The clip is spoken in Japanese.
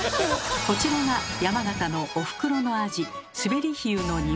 こちらが山形のおふくろの味